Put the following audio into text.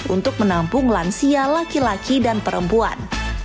untuk menampung lansia laki laki dan perempuan